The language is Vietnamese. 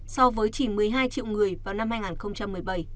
so với chỉ một mươi hai triệu người vào năm hai nghìn một mươi bảy